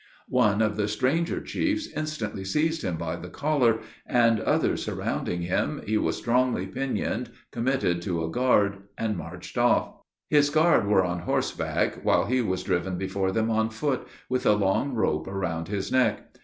_" One of the stranger chiefs instantly seized him by the collar, and, the others surrounding him, he was strongly pinioned, committed to a guard, and marched off. His guard were on horseback, while he was driven before them on foot, with a long rope round his neck.